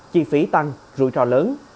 chi phí tăng rủi ro lớn